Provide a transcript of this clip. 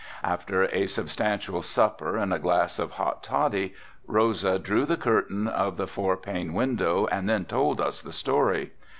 After a substantial supper and a glass of hot toddy, Rosa drew the curtain of the four pane window and then told us the story.